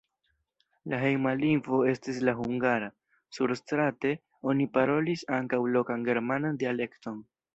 La hejma lingvo estis la hungara, surstrate oni parolis ankaŭ lokan germanan dialekton.